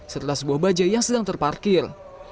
setelah sebuah baja yang sedang terparkir